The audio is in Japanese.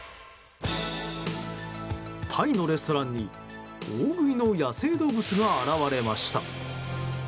タイのレストランに大食いの野生動物が現れました。